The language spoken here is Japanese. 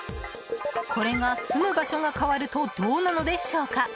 これが、住む場所が変わるとどうなのでしょうか？